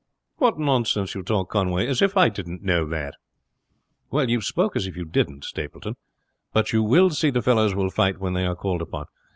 "What nonsense you talk, Conway; as if I didn't know that." "Well, you spoke as if you didn't, Stapleton; but you will see the fellows will fight when they are called upon.